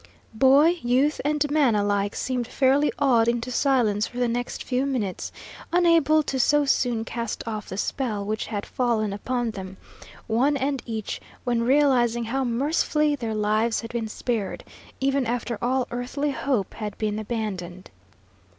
Boy, youth, and man alike seemed fairly awed into silence for the next few minutes, unable to so soon cast off the spell which had fallen upon them, one and each, when realising how mercifully their lives had been spared, even after all earthly hope had been abandoned.